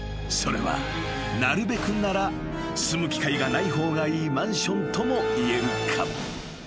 ［それはなるべくなら住む機会がない方がいいマンションとも言えるかも］